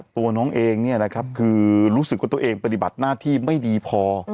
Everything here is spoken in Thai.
ตัวน้องเองคือรู้สึกว่าตัวเองปฏิบัติหน้าที่ไม่ดีพอ